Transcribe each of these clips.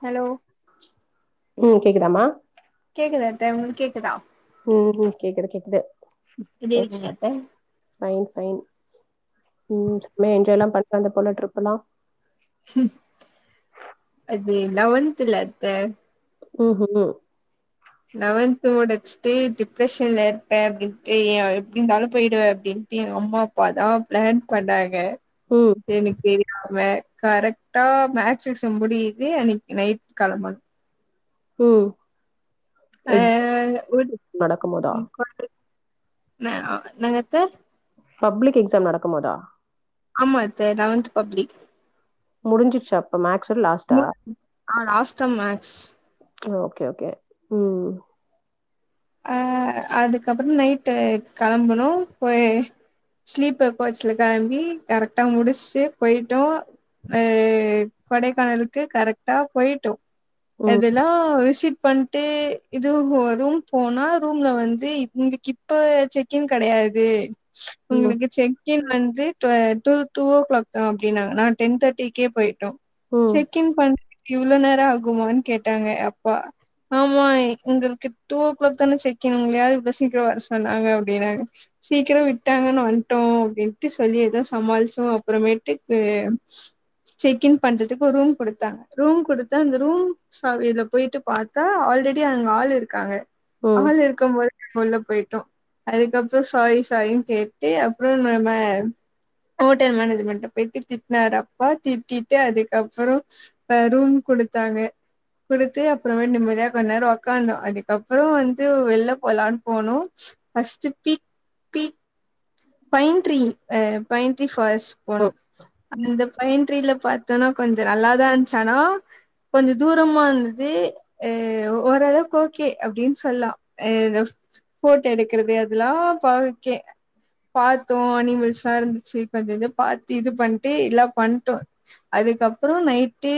Halo உ கேக்குதாம்மா கேக்குதா த்த உங்களுக்கு கேக்குதா உ உ கேக்குது கேக்குது எப்டி கே இருக்கீங்க அத்த [unintelligible] ஃபைன் உ செமயா என்ஜாய் எல்லா பண்றே அந்த போல ட்ரிப் எல்லா ஹு அது லவந்துல அத்த உ உ லெவன்த் முடுச்சுட்டு டிப்ரஷன்ல இருப்பே அப்டின்ட்டு ஏ எங்கம்மா அப்பாதா ப்ளான் பண்ணாங்க ம் எனக் தெரி ஆ வே கரக்டா மேக்ஸ் எக்சாம் முடியுது அன்னைக்கு நைட் களம்பனு உ ஆ எக்ஸ் நடக்கும்போதா ந நங்கத்த பப்ளிக் எக்ஸாம் நடக்கும் போதா ஆமாத்த லவன்த் பப்ளிக் முடிஞ்சிசா அப்ப மேக்சோட லாஸ்டா ஆ லாஸ்ட் டேர்ம் மேக்ஸ் ஆ ஓகே ஓகே உ அ அதுகப்பறோ நைட்டு கிளம்பனு போய் ஸ்லீபர் கோச்ல கெளம்பி கரெக்டா முடிச்சுட்டு போயிட்டோ ஏ கொடைகானலுக்கு கரெக்டா போயிட்டோ ம் அதுலா விஷ் சிப் பண்ட்டு இதுஉ ரும் போனா ரூம்ல வந்து உங்கிள் கிப்ப செக்கின் கெடயாது ம் உங்களுகு செக் கின் வந்து ட்வெள் டு ஓ கிளாக் தா அப்டினாங்க நா டென் தேட்டிகே போயிடோ ம் செக் இன் பண் இவ்ளோ நேர ஆகுமானு கேட்டாங்க அப்பா ஆமா உங்களுகு டூ ஓ கிளாக் தான செக்கின் உங்கள யார் இவ்ளோ சீக்ர வர சொன்னாங்க அப்டினாங்க சீக்கிர விட்டாங்கனு வன்ட்டோ அப்டின்டு சொல்லி எதோ சமாளிசோ அப்புறமேட்டு செக்கின் பண்றதுக்கு ஒரு ரூம் குடுதாங்க ரூம் குடுத்தா அந்த ரூம் சாவில போயிட்டு பாத்தா ஆல்ரெடி அங்க ஆள் இருக்கு காங்க ம் ஆள் இருக்கம் போதே உள்ள போயிடோ அதுகப்றோ சாரி சாரின்னு கேட்டு அப்றோ நம்ம ஹோட்டல் மேனேஜ்மெண்ட போயிட்டு திட்னாரு அப்பா திட்டிட்டு அதுகப்பறோ ரூம் குடுத்தாங்க குடுத்து அப்றோமேட்டு நிம்மதியா கொஞ்ச நேர உக்காந்தோ அது அப்பதா வந்து வெள போலான் போனோம் பஸ்ட்டு பி பி பைன்ரீ ஆ பைன்ரீ பாஸ் ம் போனோ அந்த பைண்ட்ரில பாத்தோனா கொஞ்ச நல்லாதா இருந்துசானா கொஞ்ச தூரமா இருந்துது உ ஓரளவுகு ஓக் கே அப்டினு சொல்லா ஃபோடோ எடுக்றது அதெலா பாகே பாத்தோ அனிமல்ஸ்லா இருந்துசு கொஞ்சஞ்சோ பாத்து இது பண்ட்டு எலா பண்ட்டோ அதுகப்பறோ நைட்டு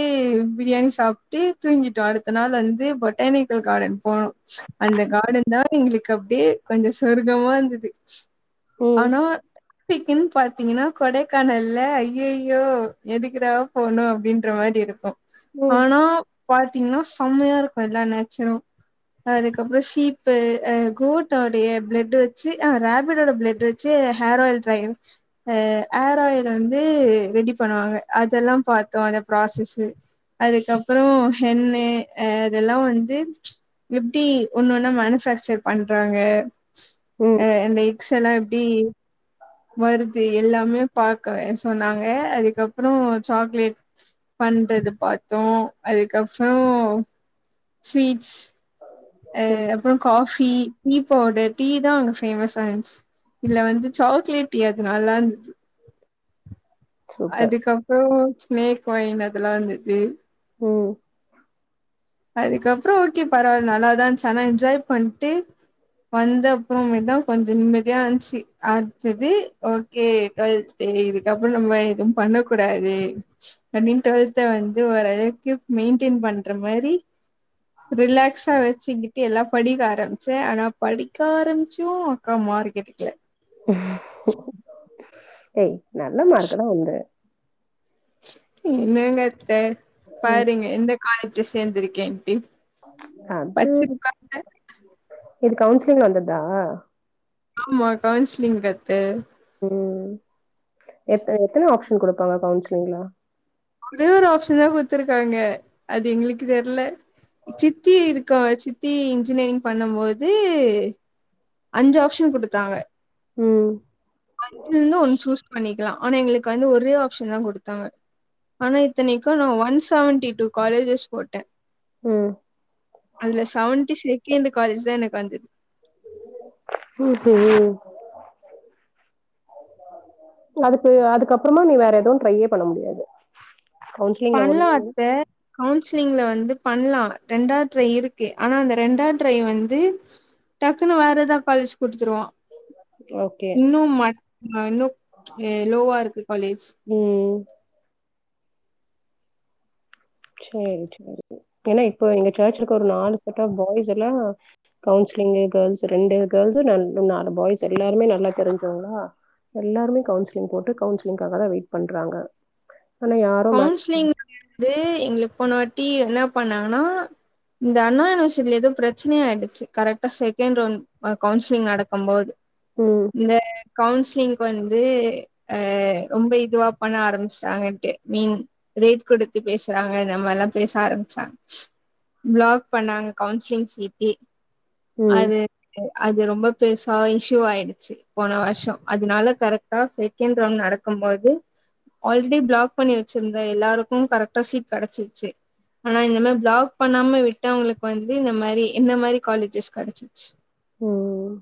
பிரியாணி சாப்ட்டு தூங்கிட்டோ அடுத்த நாள் வந்து பொடானிகல் காடன் போனோ அந்த காடன் தா எங்களுகு அப்டியே கொஞ்ச சொர்கமா இருந்துது ம் ஆனா பிக்கின் பாத் பாதீங்கனா கொடகானல்ல ஐயயோ எதுகுடா போணு அப்டின்ற மாரி இருக்கு ம் ஆனா பாத்தீங்கனா செமயா இருக்கும் எல்லா நேச்சரும் அதுக்கப்புற சீப்பு ஆ கோட்டோடைய பிளடு வச்சி ஆ ரேபிட்டோட பிளட வச்சி ஹேர் ஆயில் ட்ரை ஆ ஹேர் ஆயில் வந்து ரெடி பண்ணுவாங்க அதெல்லா பாத்தோ அந்த ப்ராசஸு அதுக்கப்புற ஹென்னு ஆ அதெல்லா வந்து எப்டி ஒன்னு ஒன்னா மேனுபேக்சர் பண்றாங்க ம் ஆ இந்த எக்ஸ் எல்லா எப் டி வருது எல்லாமே பாக்கவே சொன்னாங்க அதுக்கப்புற சாக்லேட் பண்றது பாத்தோ அதுக்கப்புற ஸ்வீட்ஸ் அ ம். அப்புறோ காஃபி டீ பவுடர் டீ தா அங்க ஃபேமஸா இருன்சி இதுல வந்து சாக்லேட் டீ அது நல்லா இந்துச்சி சூப்பர். அதுக்கப்புறோ சினேக் காயின் அதுலா இருந்துச்சி ஓ அதுக்கப்புறோ ஓகே பரவால நல்லாதா இருன்ச்சி ஆனா என்ஜாய் பண்ட்டு வந்த அப்பற மேட்டுதா கொஞ்ச நிம்மதியா ஆன்ச்சி ஆச்சது ஓகே டுவல் தேதி இதுக்கப்புறோ நம்ம எதும் பண்ண கூடாது அப்டின் டுவல்த்த வந்து ஓரளவுக்கு மெயின்டென் பண்ற மாரி ரிலேக்ஸா வச் ச்சிகிட்டு எல்லாம் படிக்க ஆரம்பிச்சேன் ஆனா படிக்க ஆரம்பிச்சும் அக்கா மார்க் எடுக்கல ஆஹ தை நல்ல மார்க் தான் உந்து இல்லங்க த பாருங்க இந்த காலேஜி சேந்துருக்கே ஆன்ட்டி அது இது கவுன்சிலிங்கல வந்ததா ஆமா கவுன்சிலிங் கத்து ம் எத் எத்தனை ஆப்ஷன் குடுப்பாங்க கவுன்சிலிங்ல ஒரே ஒரு ஆப்ஷன் தான் குத்துருக்காங்க அது எங்களுக்கு தெர்ல சித்தி இருக்காங்க சித்தி இன்ஜினியரிங் பண்ணும் போது அஞ்சி ஆப்ஷன் குடுத்தாங்க ம் பண்ணிக்கலாம் ஆனா எங்களுக்கு வந்து ஒரே ஆப்ஷன் தான் குடுத்தாங்க ஆனா இத்தனைக்கும் நான் ஒன் செவன்ட்டி டூ காலேஜஸ் போட்டேன் ம். அதுல செவன்ட்டி சி கே இந்த காலேஜி தான் எனக்கு வந்தது உம் ம் அதுக்கு அதுக்கப்புறமா நீ வேற எதுவு ட்ரையே பண்ண முடியாது கவுன்சிலிங்ல ஒன்னு பண்லாத்த கவுன்சிலிங்ல வந்து பண்ணலாம் ரெண்டா ட்ரை இருக்கு ஆனா அந்த ரெண்டா ட்ரை வந்து டக்குன்னு வேற எதா காலேஜு குடுத்துருவான் ஓகே இன்னும் மட் இன்னும் லோவா இருக்க காலேஜ் ம் சேரி சேரி ஏன்னா இப்போ எங்க சர்ச் இருக்க ஒரு நாலு செட் ஆ பாய்ஸ்ல்லா கவுன்சிலிங் கேல்ஸ் ரெண்டு கேல்ஸ் நன் நாலு பாய்ஸ் எல்லாருமே நல்லா தெரிஞ்சோங்களா எல்லாருமே கவுன்சிலிங் போட்டு கவுன்சிலிங்காக வெயிட் பண்றாங்க ஆனா யாரு மே கவுன்சிலிங்ல இது எங்கள போனவாட்டி என்ன பண்ணாங்கன்னா இந்த அண்ணா யூனிவர்சிட்டில ஏதோ பிரச்சனைய ஆயிடுச்சி கரெக்டா செகண்ட் ரவுண்ட் கவுன்சிலிங் நடக்கு போது ம் இந்த கவுன்சிலிங் ப் வந்து அ ரொம்ப இதுவா பண்ண ஆரம்பிச்டாங்கன்ட்டு மீன் ரேட் கொடுத்து பேசுறாங்க இந்த மாரில்லா பேச ஆரம்பிச்சாங் பிளாக் பண்ணாங்க கவுன்சிலிங் சீதி ம் அது அது ரொம்ப பெருசா இஷ்யூவாயிடிச்சி போன வருஷோ அதனால கரெக்டா செகண்ட் ரவுண்ட் நடக்கு போது ஆல்ரெடி பிளாக் பண்ணி வச்சிருந்த எல்லாருக்கு கரெக்டா சீட் கடச்சிருச்சி ஆனா இந்தம பிளாக் பண்ணாம விட்டு அவங்களுக்கு வந்து இந்த மாரி என்ன மாரி காலேஜஸ் கெடச்சிச்சி ம்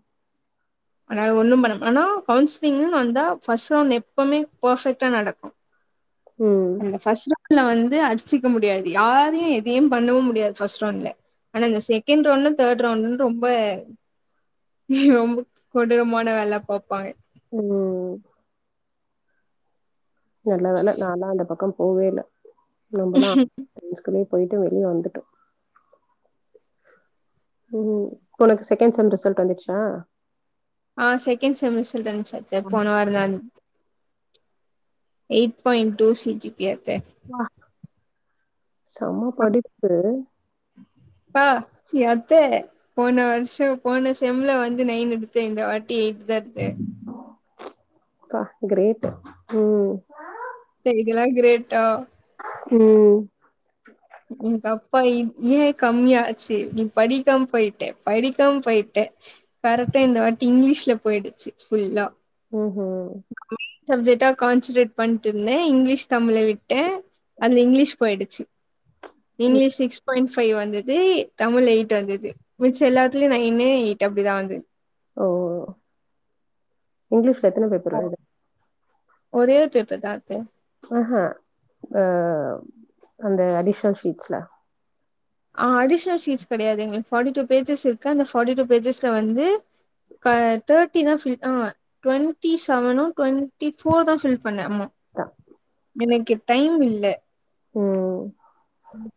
அனால ஒண்ணு பண்ண ஆனா கவுன்சிலிங் வந்தா பர்ஸ்ட் ரவுண்ட் எப்பமே ஃபர்பெக்டா நடக்கு ம் அந்த பஸ் ர ட்ல வந்து அடிச்சிக்க முடியாது யாரையு எதையு பண்ணவு முடியாது பர்ஸ்ட் ரவுண்ட்ல ஆனா இந்த செகண்ட் ரவுண்ட் தேர்ட் ரவுண்ட்ன்னு ரொம்ப ரொம்ப கொடூரமான வேல பாப்பாங்க ம் நல்லவேல நா தா அந்த பக்கம் போவே இல்ல நம்மலா தன்ஸ்கினி போயிட்டு வெளிய வந்துட்டோ ம் உனக்கு செகேன்ட் செம் ரிசல்ட் வந்திரிச்சா ஆ செகண்ட் செமிஸ்ர் ரிசல்ட் வந்திச்சி தே போன வாரந்தா வ ப்ப டூ சி ஜி ஏத்தே செம்ம படிப்பு ம் ஆ சி அத்த போன வருஷோ போன செம்ல வந்து நைன் எடுத்தே இந்த வாட் டி எயிட்தா எடுத்தே பா கிரேட் ம் தே இதுக்தெல்லா கிரேட் ஆ ம் எங்க அப்பா ஏ கம்மியாச்சி நீ படிக்காம போயிட்டே படிக்காம போயிட்டே கரெக்டா இந்த வாட்டி இங்கிலீஷ்ல போயிடிச்சி ஃபுல்லா ம்ஹ்ம் ஹ [unintelligible] சப்ஜெக்டா கான்சன்ட்ரேட் பண்ணிட்டு இருந்தே இங்கிலீஷ் தமிழ விட் அந்த இங்கிலீஷ் போயிடுச்சு ம். இங்கிலிஷ் சிக்ஸ் பாயிண்ட் ஃபைவ் வந்தது தமிழ் எயிட் வந்தது மிச்ச எல்லாத்துலயு நைனு எயிட் அப்டிதா வந்தது ஓ இங்கிஷ் எத்தன பேப்பர் ஒ- வருது ஒரே பேப்பர் தா அத்த ஆஹ அந்த அடிஷனல் ஷீட்ஸல ஆ அடிஷனல் சீட்ஸ் கெடயாது எங்களுக்கு ஃபார்ட்டி டூ பேஜஸ் இருக்கு அந்தஃபார்ட்டி டூ பேஜஸ்ல வந்து தேர்ட்டி தா ட்வெண்டி செவனு ட்வண்டி ஃபோர் தா ஃபில் பண்ணே ஆமா ப எனக்கு டைம் இல்ல உம்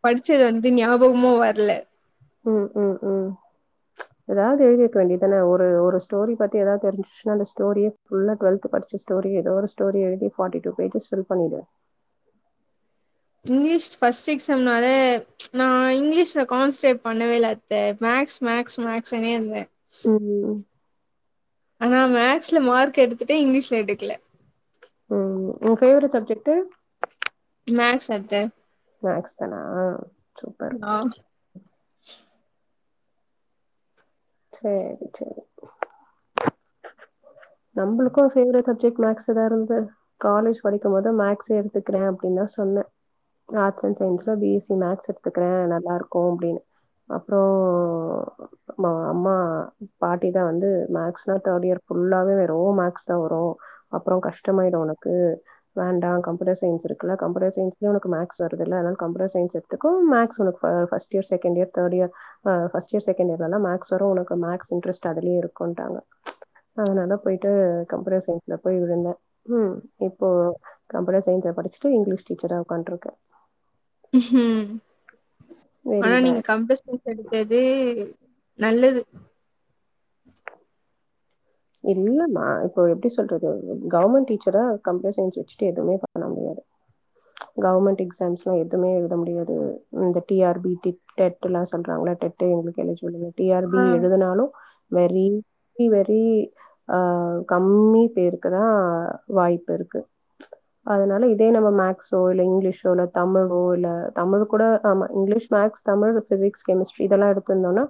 படிச்சது வந்து ஞாபகமோ வரல உம் உம் உம் ஏதாவது எழுதிக்க வேண்டியதானே ஒரு ஒரு ஸ்டோரி பத்தி ஏதாவது தெரிஞ்சுச்சுன்னா அந்த ஸ்டோரி புல்லா டுவெல்த் படிச்ச ஸ்டோரி ஏதோ ஒரு ஸ்டோரி எழுதி ஃபார்ட்டி டூ பேஜஸ் பண்ணிடுவேன் இங்கிலீஷ் ஃபர்ஸ்ட் எக்ஸாம்னால நா இங்கிலீஷ்ல கான்சன்ட்ரேட் பண்ணவே இல்ல மேக்ஸ் மேக்ஸ் மேக்ஸ்னே இருந்தே உம் ஆனா மேக்ஸ்ல மார்க் எடுத்துட்டே இங்கிலீஷ்ல எடுக்கல உம் உங்க பேவரட் சப்ஜெக்டு மேக்ஸ் அத்த மேக்ஸ் தானா சூப்பர் ஆ சேரி சேரி நம்மளுக்கோ வேவரட் சப்ஜெக்ட் மேக்ஸ் தா இருந்த காலேஜ் படிக்கு போதே மேக்ஸ் எடுத்துக்கிறே அப்டின்னு தா சொன்னே ஆர்ட்ஸ் அண்ட் சயின்ஸ்ல பி எஸ்சி மேக்ஸ் எடுத்துக்குறே நல்லா இருக்கு அப்டின்னு அப்றோ அம்மா பாட்டிதா வந்து மேஸ்னா தேர்ட் இயர் குருப் புல்லாவே வரு மேக்ஸ் தா வரு அப்றோ கஷ்டமாயிடு ஒனக்கு வேண்டா கம்ப்யூட்டர் சயின்ஸ் இருக்குல கம்யூட்டர் சயின்ஸ்ல ஒனக்கு மேக்ஸ் வருதுல அதனால கம்யூட்டர் சயின்ஸ் எடுத்துக்கோ மேக்ஸ் ஒனக்கு பஸ்ட் இயர் செகண்டு இயர் தேடு இயர் ஆ பஸ்ட் இயர் செகண்ட் இயர் எல்லா மேக்ஸ் வரு ஒனக்கு மேக்ஸ் இன்டரஸ்ட் அதுலயே இருக்குன்ட்டாங்க ம் சு ம் அதனால போயிட்டு கம்ப்யூட்டர் சயின்ஸ்ல போய் விழுந்தே ம் இப்போ கம்ப்யூட்டர் சயின்ஸல படிச்சுட்டு இங்கிலீஷ் டீச்சராக உட்காருக்கே ஹம் வெரி ஆனா நீங்க பேட் கம்ப்யூட்டர் ஸயின்ஸ் எடுத்தது நல்லது இல்லாம இப்போ எப்டி சொல்றது கவர்மெண்ட் டீச்சரா கம்யூட்டர் சயின்ஸ் வச்சுட்டு எதுவுமே பண்ண முடியாது கவர்மெண்ட் எக்சாம்ஸ்லா எதுவுமே எழுத முடியாது இந்த டி ஆர் பி டெட் லா சொல்றாங்ள டெட் எழுஜிபிள் இல்ல டி ஆர் பி ஆ எழுதுனாலு வெரி வெரி ஆ கம்மி பேருக்குதா வாய்ப்பு இருக்கு அதனால இதே நம மேக்ஸோ இல்ல இங்கிலீஷோ இல்ல தமிழோ இல்ல தமிழ் கூட ஆமா English maths Tamil physics chemistry இதெல்லா எடுத்துருந்தோம்னா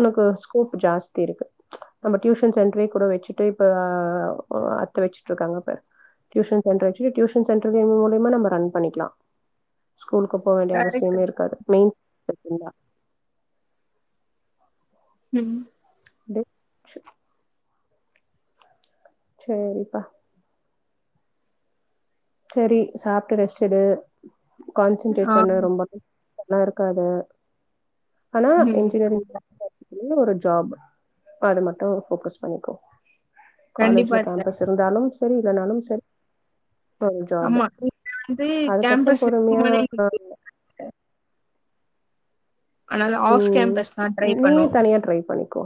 உனக்கு ஸ்கோப் ஜாஸ்தி இருக்கு நம்ம டியூசன் சென் கூட வச்சுட்டு இப்ப வச்சுட்டு இருக்காங்க பாரு டியூசன் வச்சு டியூசன் சென்டர்மூலயமா நம்ம ரன் பண்ணிக்கலா ஸ்கூலுக்கு போக வேண்டிய கரெக்ட் அவசியமே இருக்காது மெயின் இருந்தா ம் ஷ [unintelligible] சேரிப்பா செரி சாப்ட்டு ரெஸ்ட் எடு கான்சென்ட்ரேட் ஆ பண்ண ரொம்ப எல்லா இருக்காது ஆனா ம். இன்ஜினியரிங் படிக்கணுன்னு ஒரு ஜாப் அது மட்டு போக்கஸ் பண்ணிக்கோ கண்டிப்பா காலேஜ்ல சார். கேம்பஸ் இருந்தாலு சரி இல்லனாலு சரி ஆ ஜாப் ஆமா. இங்க வந்து அதுக்கப்புறோ கேம்பஸ் பொறுமையா இருக்குமான்னு ஆ எங்களுக்கு தெரியல. அதனால ஆஃப் ம் கேம்பஸ் தான் ட்ரை நீ பண்ணுவோம். தனியா ட்ரை பண்ணிக்கோ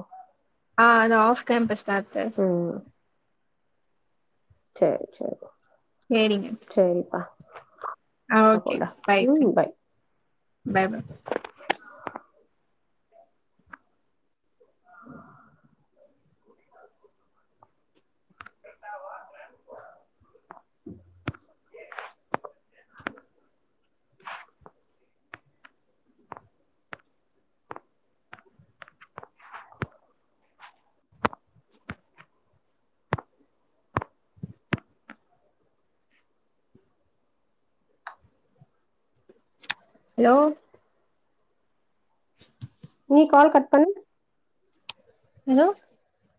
ஆ அது ஆஃப் கேம்பஸ் தாத்த சேரி சேரி சரிங்க. சேரிப்பா ஆ ஓகே பாய் [unintelligible] பாய் பா [inaudible] ஹலோ [inaudible] நீ கால் கட் பண் ஹலோ